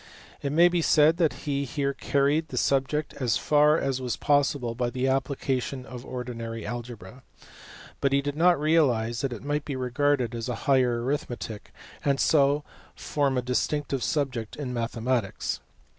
It may be said that he here carried the subject as far as was possible by the application of ordinary algebra ; but he did not realize that it might be regarded as a higher arithmetic, and so form a distinct subject in mathematics.